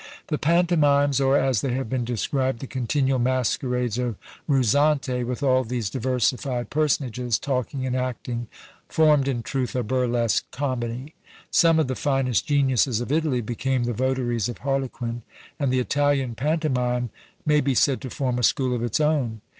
The Pantomimes, or, as they have been described, the continual Masquerades, of Ruzzante, with all these diversified personages, talking and acting, formed, in truth, a burlesque comedy. Some of the finest geniuses of Italy became the votaries of Harlequin; and the Italian pantomime may be said to form a school of its own.